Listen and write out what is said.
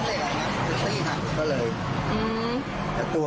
ก็เลยช่วยนะคือหลายแล้วเหลือตี้หักก็เลย